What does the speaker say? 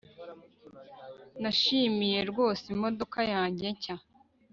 Nishimiye rwose imodoka yanjye nshya